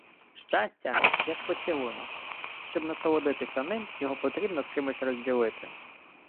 Щастя – як поцілунок: щоб насолодитися ним, його потрібно з кимось розділити.